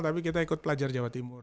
tapi kita ikut pelajar jawa timur